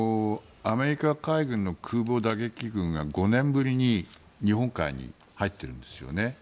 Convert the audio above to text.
アメリカ海軍の空母打撃群が５年ぶりに日本海に入っているんですよね。